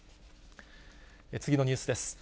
次のニュースです。